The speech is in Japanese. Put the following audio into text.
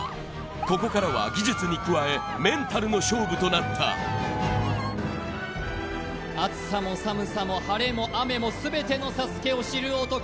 ここからは技術に加えメンタルの勝負となった暑さも寒さも晴れも雨も全てのＳＡＳＵＫＥを知る男